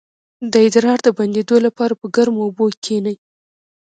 د ادرار د بندیدو لپاره په ګرمو اوبو کینئ